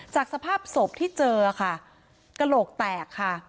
สภาพศพที่เจอค่ะกระโหลกแตกค่ะ